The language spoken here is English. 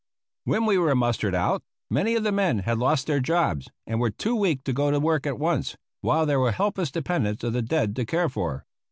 When we were mustered out, many of the men had lost their jobs, and were too weak to go to work at once, while there were helpless dependents of the dead to care for.